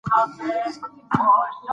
آیا ته د خطر منلو جرئت لرې؟